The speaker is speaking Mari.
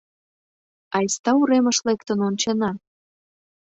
Айста уремыш лектын ончена